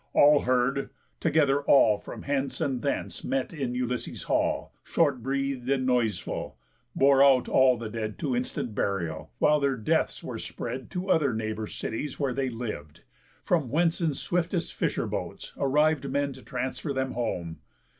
All heard; together all From hence and thence met in Ulysses' hall, Short breath'd and noiseful, bore out all the dead To instant burial, while their deaths were spread To other neighbour cities where they liv'd, From whence in swiftest fisher boats arriv'd Men to transfer them home.